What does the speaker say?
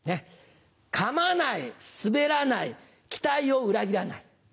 かまないスベらない期待を裏切らない。